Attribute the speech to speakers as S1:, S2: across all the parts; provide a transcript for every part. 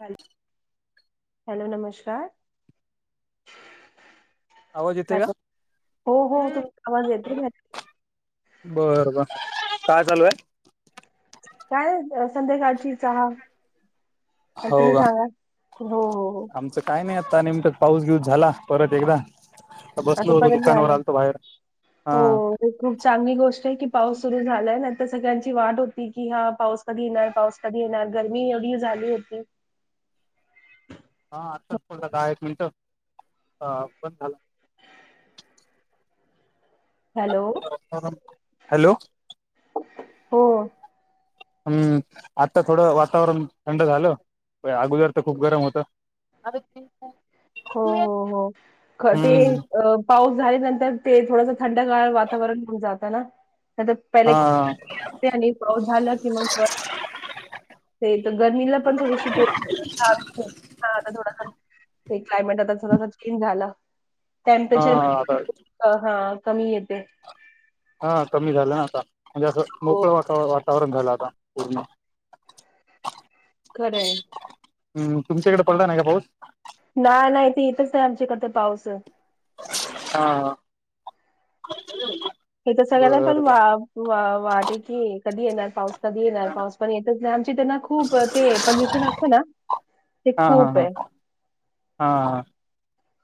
S1: हल हॅलो नमस्कार
S2: आवाज येते का?
S1: हॅलो हो हो तुमही समाज येते
S2: बरं बर काय चालू आहे
S1: काय संध्याकाळची चहा अर
S2: हो
S1: तुम्ही
S2: का
S1: सांगा हो हो
S2: आमचं काय नाही आता नम पाऊस घेऊस झाला परत एकदा बसलो
S1: आता
S2: होतो
S1: परत
S2: दुकानावर
S1: झालं
S2: आलतो बाहेर हा
S1: हो खूप चांगली गोष्ट आहे की पाऊस सुरु झालाय न तरर सगळ्यांची वाट होती की हा पाऊस कधी येणार पाऊस कधी येणार गरमी एवढी होती
S2: हा आताच पडला दहा एक मिनिट बंद झाला
S1: हॅलो
S2: हॅलो
S1: हो
S2: हम्म आता थोडं वातावरण थंड झालं प अगोदर तर खूप गरम होतं अ
S1: हो हो हो ख ते
S2: हम्म
S1: अ पाऊस झाल्यानंतर ते थोडंस थंड का वातावरण होऊन जात ना त्या पहिले
S2: हा
S1: [unintelligible] असते आणि तो झालं कि मग ते तर गर्मीला पण थोडीशी [unintelligible] हा [unintelligible] हा [unintelligible] क्लायमेट आता कसं चेंज झाला.
S2: हा
S1: टेम्परेचर
S2: आता
S1: हा कमी येते.
S2: हा कमी झालं ना आता म्हणजे असं
S1: हो
S2: मोकळं वातावरण आहे. औरच झाला आता.
S1: खरं आहे.
S2: हम्म तुमच्याकडे पडला नाही का पाऊस.
S1: ना नाही इथे येतच नाही आमच्याइथ पाऊस.
S2: हा.
S1: हे तर सगळ्यांना पण
S2: बरं बर
S1: वा वाटे की कधी येणार पाऊस. कधी येणार पाऊस पण येतच नाही आमची त्यांना खूप ते पल्यूशन असतं ना. ते
S2: हा हा
S1: खूप
S2: हा
S1: आहे.
S2: हा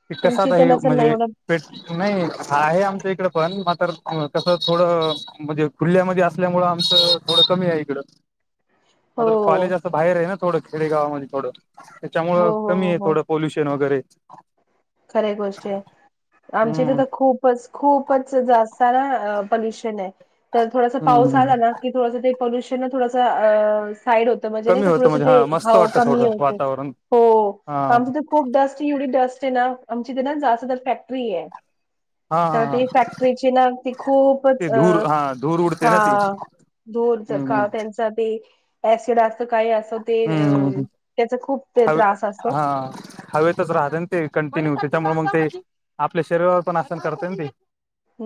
S2: ते
S1: तुमची
S2: कसात
S1: तर
S2: आहे
S1: नसेल ना
S2: म्हणजे
S1: एवढं
S2: पेट नाही हा आहे आमच्या इकड. पण मात्र कसं थोडं म्हणजे खुल्यामध्ये असल्यामुंळ आमचं थोडं कमी आहे इकडं.
S1: [inaudible]
S2: [unintelligible] कॉलेज असं बाहेर आहे ना थोडं खेडेगावामध्ये थोडं.
S1: हो
S2: त्याच्यामुळं
S1: हो
S2: कमी
S1: हो
S2: आहे
S1: हो
S2: थोडं पोल्युशन वगैरे.
S1: खरे गोष्टी आहे आमच्या इथे
S2: हम्म
S1: तर खूपच खूपच जास्त. कारण अ पल्यूशन आहे तर थोडसं पाऊस
S2: हम्म
S1: आला ना की थोडसं ते पल्यूशन. ते ना थोडसं साईड होत म्हणजे नाही
S2: कमी
S1: का
S2: होतं
S1: थोडंस
S2: म्हणजे
S1: ते
S2: हा मस्त वाटतं
S1: कमी
S2: थोडं
S1: होत.
S2: वातावरण
S1: हो
S2: हा
S1: आमच खूप डस्ट एवढी डस्ट आहे ना आमची इथे ना जास्त तर फॅक्टरी आहे.
S2: हा
S1: तर
S2: हा हा
S1: ती फॅक्टरीची ना ती खूपच
S2: ते
S1: अ.
S2: धूर हा धूर उडते
S1: हा
S2: ना ती
S1: धुरच
S2: हम्म
S1: का त्यांचा ते. ऍसिड असं काही असं ते
S2: हम्म
S1: त्याच खूप ते
S2: हवे
S1: त्रास असतो
S2: हा हवेतच राहत. ते कंटिन्यू त्याच्यामुळे मग ते आपल्या शरीरावर पण आसर करतय ना ते.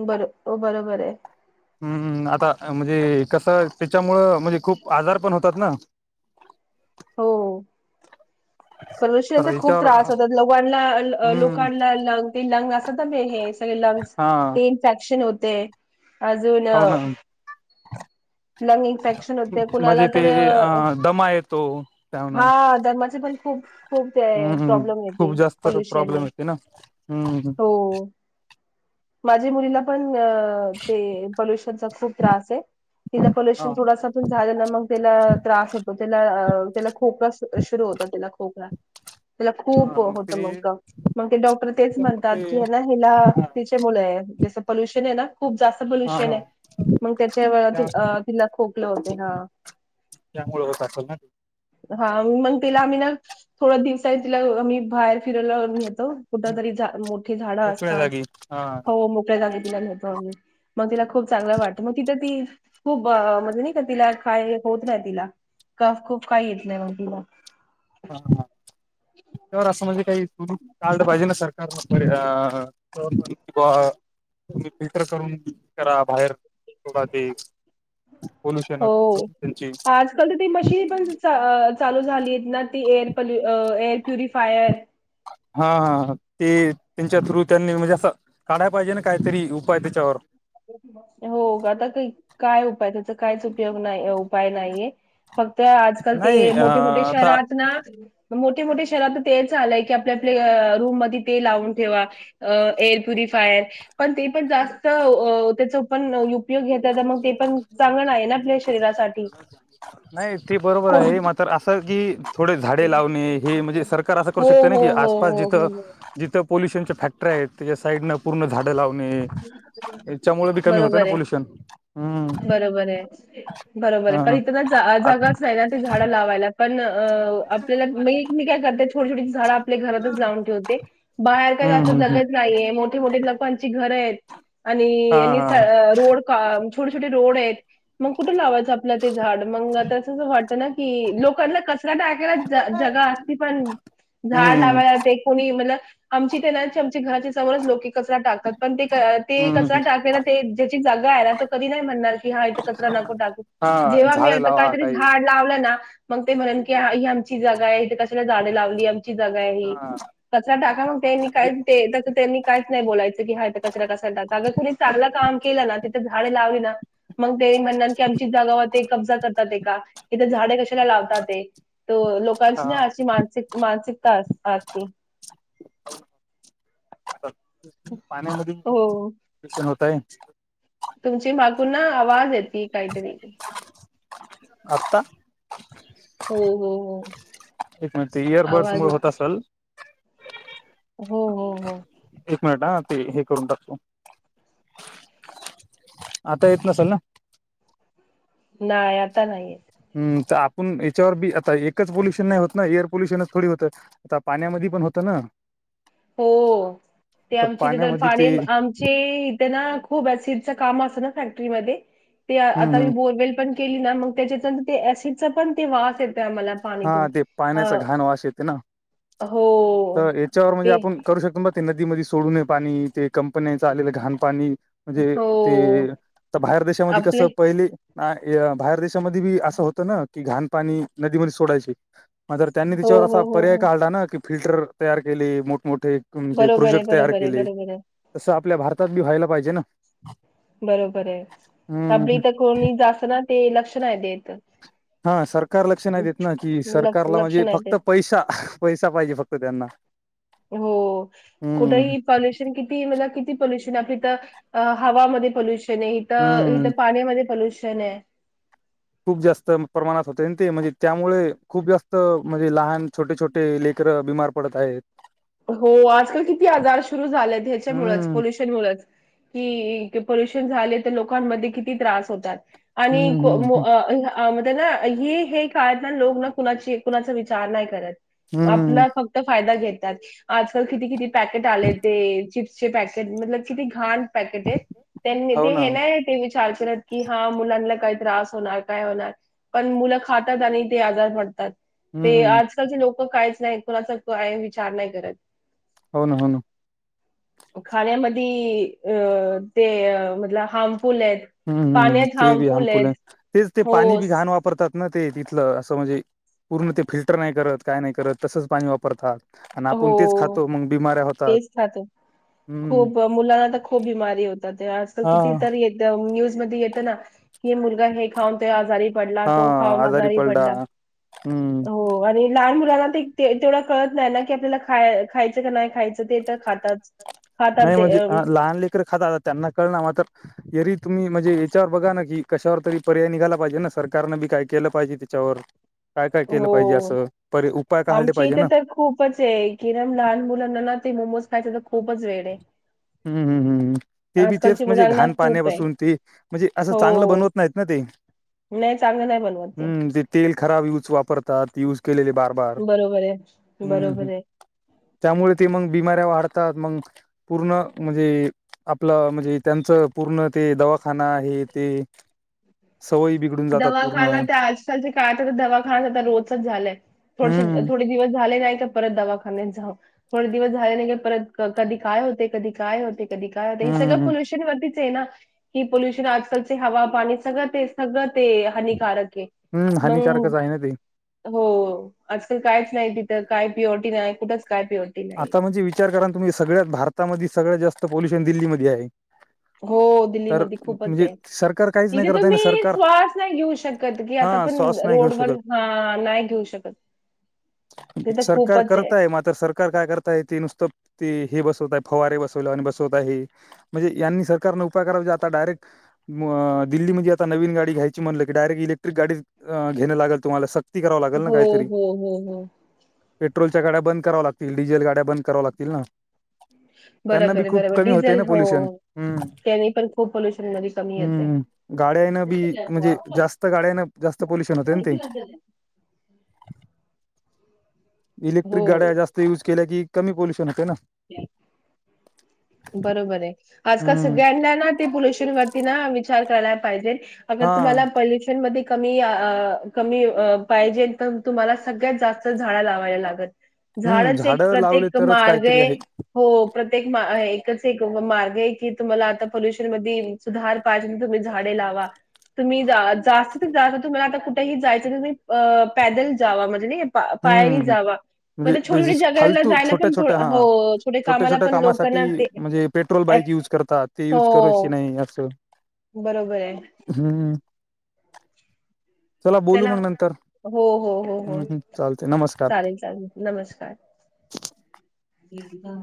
S1: बर बरोबर आहे
S2: हम्मम आता म्हणजे. कसं त्याच्यामुळ म्हणजे खूप आजार पण होतात ना.
S1: हो.
S2: तर
S1: पल्यूशनचा खूप
S2: याच्यावर
S1: त्रास होतात लोकांना
S2: हम्म
S1: लोकांना लंग ते लंग असतातना ते हे. लंग्स
S2: हा
S1: ते इन्फेक्शन होते अजून.
S2: हो ना
S1: लंग इन्फेक्शन होते कुणाला
S2: म्हणजे ते
S1: तर.
S2: अ दमा येतो त्यान
S1: हा दम्याचे पण खूप. खूप ते
S2: हम्म
S1: प्रॉब्लेम येते
S2: खूप जास्त
S1: पॉल्युशन
S2: प्रॉब्लेम
S1: नि
S2: येते ना हम्म
S1: हो. माझ्या मुलीला पण ते पोल्युशनचा खूप त्रास आहे. तिला
S2: हा
S1: पोल्युशन थोडासा पण झालं ना मग त्याला त्रास होतो त्याला त्याला खोप. सुरू होता तिला खोकला. त्याला
S2: हा
S1: खूप होत मग
S2: ते
S1: का मग ते डॉक्टर तेच म्हणतात
S2: त्यामुळे ते
S1: की ह ना हिला.
S2: हा
S1: त्याच्यामुळे हाय जसं पोल्युशन आहे ना. खूप जास्त
S2: हा
S1: पोल्युशन
S2: हा
S1: आहे मग त्याच्या
S2: त्या
S1: तिला खोकलं होतेय ह.
S2: त्यामुळे होत असल ना.
S1: हा मग तिला आम्ही ना थोड दिवसानी तिला आम्ही बाहेर फिरायला नेतो. कुठ
S2: हम्म,
S1: तरी मोठी झाडं
S2: मोकळ्या
S1: असतात.
S2: जागी हा हा
S1: हो मोकळ्या जागी तिला नेतो आम्ही मग तिला खूप चांगलं वाटतं मग तिथं ती. खूप म्हजे नाय का तिला काय होत राहतय तिला कफ खूप काय येत नाही मग त.
S2: हा ह त्यावर असं म्हणजे काही [unintelligible] काढलं पाहिजे ना सरकारणं.. अ [unintelligible] तुम्ही फिल्टर करून करा बाहेर सोडा ते पोल्युशन
S1: हो
S2: त्यांची
S1: आजकाल तर ते मशीन पण चालू झाली ना ती एअर एअर प्युरिफायर
S2: हा हा ते त्यांच्या थ्रू त्यांनी म्हणजे असं काढायला पाहिजे ना काहीतरी उपाय त्याच्यावर
S1: हो आता का काय उपाय त्याचा कायच उपयोग नाही उपाय नाहीये. फक्त आजकाल ते
S2: नाही अ
S1: मोठे मोठे
S2: आता
S1: शहरात ना मोठे मोठ्या शहरात तेच आलंय की आप आपल्या रूम मध्ये ते लावून ठेवा एअर प्युरिफायर पण ते पण जास्त अ त्याचा पण उपयोग घेत मग ते पण चांगल नाही आपल्या शरीरासाठी.
S2: नाही ते बरोबर
S1: कोण
S2: आहे मात्र असं की थोडे झाडे लावणे हे म्हणजे सरकार असे करू
S1: हो
S2: शकते ना
S1: हो
S2: जिथे
S1: हो
S2: आसपास
S1: हो हो
S2: तिथं
S1: हो.
S2: जिथे पोल्युशनच त्याच्या साईड न पूर्णझाडं लावन आणि याच्यामुळे बी कमी होत ना
S1: बरोबर आहे.
S2: पोल्युशन हम्.
S1: बरोबर आहे. बरोबर आहे प इथं ना जागाच नाही ना ते झाडं लावायला. पण अ आपल्याला म मी काय करते छोटी छोटी झाड आपल्या घरातच लावून ठेवते बाहेर काही
S2: हम्म
S1: असं
S2: हम्म हम्म
S1: जगत नाहीये मोठीे मोठे लोकांची घर आहेत
S2: हा
S1: आणि
S2: हा
S1: रोड छोटे छोटे रोड आहेत मग कुठे लावायच. जपलं ते झाड मग आता अस वाटत ना की लोकांला कचरा टाकायला जगा असती पण झाड
S2: हम्म
S1: लावायला लागे कोणी म्हणल आमची ते ना आमच्या घराच्या समोरच लोके कचरा टाकतात. पण ते ते कचरा
S2: हम्म
S1: टाकाेला ते ज्याची जागा आहे ना तो कधी नाही म्हणणार की हा इथे कचरा नको टाकू.
S2: हा
S1: जेव्हा मी
S2: झाडं
S1: आता
S2: लावा
S1: काहीतरी
S2: काही
S1: झाड लावलं ना मग ते म्हणन की ही आमची जगा आहे इथे कशाला झाडे लावली.
S2: हा
S1: कचरा टाका म त्यांनी का
S2: म्हणजे
S1: त्यां काहीच नाही बोलायच क कचऱ कसा अग कुणी चांगला काम केलं ना तिथं झाडें लावली ना मग ते म्हणणार की आमची जागाव ते कब्जा करतात ते का इथे झाडे कशाला लावतात ते तो लोकांची ना
S2: हा
S1: अशी मानसिक मानसिक [unintelligible]
S2: पाण्यामध्ये प्रदूषण होतय.
S1: तुमची मागून ना आवाज येते काहीतरी.
S2: आत्ता
S1: हो हो हो.
S2: एक मिनिट इयरबड्स
S1: आवाज
S2: मुळ होत
S1: येते.
S2: असेल.
S1: हो हो हो.
S2: एक मिनिट ह ते हे करून टाकतो. आता येत नसाल ना.
S1: नाही आता नाहीये.
S2: हम् तर आपण याच्यावर बी आता एकच पोल्युशन नाही होत ना एअर पोल्युशनच थोडी होत आता पाण्यामध्ये पण होत ना.
S1: हो. ते आमची इथे तर
S2: पाण्यामध्ये
S1: पाणी
S2: ते
S1: आमचे इथे ना खूप शिच काम असं ना फॅक्टरीमध्ये
S2: हम्म
S1: आताी
S2: हम्म
S1: बोरवेल पण केली ना मग त्याच्या ते एसिड चा पण तो वास येतो.
S2: हा ते पाण्याचा घाण वास येते ना
S1: हो
S2: तर याच्यावर म्हणजे
S1: ते
S2: आपण करू शकतो ब ते नदीमध्ये सोडूये पाणी ते कंपन्याच आलेलं घाण पाणी म्हणजे
S1: हो.
S2: ते बाहेर देशामध्ये
S1: आपले
S2: कसं पहिले बाहेर देशामध्ये बी असं होतं ना की घाणपाणी नदीमध्ये सोडायचे. म्र त्यांनी
S1: हो,
S2: तिच्यावर असा
S1: हो, हो,
S2: पर्याय
S1: हो.
S2: काढला ना की फिल्टर तयार केली मोठमोठ ठ म्हणजे
S1: बरोबर आहे,
S2: प्रोजेक्ट तयार
S1: बरोबर आहे,
S2: केले
S1: बरोबर आहे,
S2: तसं आपल्या भारतात बी व्हायला पाहिजे ना.
S1: बरोबर आहे आपल्या
S2: हम्म
S1: इथ तर कोणी जास्त ना ते लक्ष नाही देत.
S2: हा सरकार लक्ष नाही देत ना की
S1: लक्ष
S2: सरकारला
S1: लक्ष
S2: म्हणजे
S1: नाही
S2: फक्त
S1: देत.
S2: पैसा पैसा पाहिजे फक्त त्यांना.
S1: हो
S2: हम्म
S1: कुठेही पॉल्युशन किती म कि पोल्युशन आपथ हवामध्ये पोल्युशन आहे इथ
S2: हम्म
S1: इथ पाण्यामध्ये पोल्युशन चन
S2: खूप जास्त प्रमाणात होते ते म्हणजे त्यामुळे खूप जास्त म्हणजे लहान छोटे छोटे लेखक. चित्र बिमार पडत आहेत.
S1: हो आजकाल किती आजार सुरू झालेत ह्याच्यामुळेच
S2: हम्म
S1: पोल्युशन मुळच. ही पोल्युशन झाले ते लोकांमध्ये किती त्रास होतात
S2: हम्म
S1: आणि को
S2: हम्म
S1: म
S2: हम्म
S1: ह अ म्हण ना हे हे काळत ना लोक ना कुणाची कुणाचा विचार नाही करत.
S2: हम्म.
S1: आपला फक्त फायदा घेतात आजकाल किती किती पॅकेट आले ते चिप्स चिप्स पॅकेट मतलब किती घाण पॅकेट आहे त्यांनी
S2: हो
S1: ते
S2: ना
S1: हे नाय. की हा मुलांना काही त्रास होणार काय होणार पण मुलं खातात आणि ते आजार पडतात. ते
S2: हम्म
S1: आजकालचे लोक काहीच नाही कुणाचा काय विचार नाही करत.
S2: हो ना हो ना
S1: खाण्यामध्यी क अ ते अ मतल हम
S2: हम्म हम्म ते बी हम फुल तेच ते
S1: हो,
S2: पाणी बी घाण वापरतात. ना ते तिथलं असं म्हणजे पूर्ण ते फिल्टर नाही करत काय नाही करत तसंच पाणी वापरतात. आणि आपण तेच खातो मग बमा
S1: तेज खातो. खूप मुलांना तर खूप बीमारी होतात ते आजकाल
S2: हा.
S1: कितीतरी न्युज येत ना हे मुलगा हे खाऊन तो आजारी पडला तो खाऊन आजारी पडला.
S2: हम्म
S1: हो आणि लहान ते तेवढं कळत नाही ना की आपल्याला खाय खायचं का नाही खायचं ते तर खात.
S2: नाही म्हणजे लहान लेकरडे खाता आता त्यांना कळणार मात्र तरी तुम्ही म्हणजे याच्यावर बघा ना की कशावर तरी पर्याय निघाला पाहिजे ना सरकारनं बी काय केलं पाहिजे त्याच्यावर काय काय केलं पाहिजे अस.
S1: आमची इथे तर खूपच आहे किमान लहान मुलांना ना ते मोमोज खायच तर खूपच वेळ आहे.
S2: हम्म, हम्म, हम्म, हम्म. ते बी तेच
S1: आजकालची
S2: म्हणजे
S1: मुलांना
S2: घाण
S1: खूप आहे.
S2: पाण्यापसून ते म्हणजे असं चांगलं
S1: हो
S2: बनवत नाहीत ना ते.
S1: नाही चांगलं नाही बनवत
S2: हम्म ते तेल खराब यूज वापरतात य बारबार
S1: बरोबर आहे बरोबर आहे.
S2: त्यामुळे ते मग बिमारी वाढतात मग पूर्ण म्हणजे आपलं म्हणजे त्यांचं पूर्ण ते दवाखाना आहे ते.
S1: हम् [unintelligible] हम
S2: सवयी बिघडून जातात पूर्ण
S1: दवाखाना ते आजकालचे काळात ते दवाखाना रोजच झालंय. थो
S2: हम्म
S1: थोडे दिवस झाले नाही परत दवाखान्यात जा थोडे दिवस झाले नाही परत कधी काय होते कधी काय होते. कधी काय हे सगं
S2: हम्म
S1: फलुवेशरीवरती ह पोल्युशन आजकालचे हवा पाणी सगळं ते सगळ ते हानिकारक आहे
S2: हम्म
S1: मग
S2: हानिकारकच आहे ना ते
S1: हो आज काल काय. नाही तिथं काय पी, ओ, टी नाही कुठं
S2: आता म्हणजे विचार करा ना तुम्ही सगळ्यात भारतामध्ये सगळ्यात जास्त पोल्युशन दिल्लीमध्ये आहे.
S1: [inaudible] हो
S2: तर
S1: दिल्लीमध्ये खूपच
S2: म्हणजे
S1: आहे
S2: सरकार काहीच नाही
S1: तिथे
S2: करताय ना
S1: तुम्ही
S2: सरकार
S1: श्वास नाही घेऊ शकत की
S2: हा
S1: आता पण
S2: श्वास नाही घेऊ
S1: रोड वर
S2: शकत
S1: हा नाही घेऊ शकत. तिथे
S2: सरकार
S1: खूपच
S2: करत आहे मात्र सरकार सरकार काय करताय ते नुसत हे बसवत फवारे बसव बसवत म्हणजे यांनी सरकार लोक काय करायला जाता डायरेक्ट म दिल्ली मध्ये नविन गडी घ्यायची म्हटल की डायरेक्ट इलेक्ट्रिक गाडी घेण लागेल तुम्हाला सक्ती कराव लागेल ना
S1: हो,
S2: काहीतरी
S1: हो, हो, हो.
S2: पेट्रोलच्या गाड्या बंद कराव लागतील डझेल गाड्या बंद कराव्या लागतील ना.
S1: [inaudible]
S2: त्यांना
S1: बरोबर
S2: बी
S1: आहे
S2: खूप
S1: बरोबर
S2: कमी होते ना
S1: डिझेल हो
S2: पोल्युशन हम्म
S1: त्याने पण खूप पॉल्युशन मध्ये कमी येते
S2: हम्म गाड्यानं बी म्हणजे जास्त गाड्यानं जास्त पोल्युशन होते ना ते
S1: हम्
S2: इलेक्ट्रिक गाड्या
S1: हो.
S2: जास्त युज केल्या की कमी पोल्युशन होते ना
S1: बरोबर आहे आजकाल
S2: हम्म
S1: सगळ्यांना ना ते पोल्युशन वर तेे ना विचार कराय पाहिजेल अग
S2: हा
S1: तुम्हाला पोल्युशन मधे कमी कमी पाहिजे तर तुम्हाला सगळ्यात जास्त झाड लावाय लागल
S2: हम्म
S1: झाडांंचे एक
S2: झाडं लावले
S1: प्रत्येक
S2: तरच
S1: मार्ग
S2: काहीतरी
S1: आहे हो प्रत्येक एकच एक मार्ग आहे की तुम्हाला आता पोल्युशन मध्ये सुधार पाहिजे तुम्ही झाडे लावा तुम्ही जा जास्तीत जास्त तुम्हाला आता कुठेही जायचं तुम्ही अ पैदल जावा म्हणजे नाही पायरी
S2: हम्म
S1: जावा म्हणजे छोटी
S2: बेसिस
S1: जगला
S2: फालतू
S1: जायला
S2: छोट्या
S1: पण थोड
S2: छोट्या हा
S1: हो. छोटे
S2: छोट्या
S1: कामाला
S2: छोट्या
S1: पण
S2: कामासाठी
S1: लोकांना ते
S2: म्हणजे पेट्रोल बाईक
S1: ऍक्
S2: यूज करतात ते युज करायची की नाही असं.
S1: बरोबरय.
S2: हम्म बोलू
S1: चला
S2: मग नंतर
S1: हो हो हो हो.
S2: हम्म हम्म. चालते नमस्कार
S1: चालेल चालेल नमस्कार. यंदा.